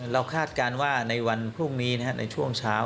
คาดการณ์ว่าในวันพรุ่งนี้ในช่วงเช้า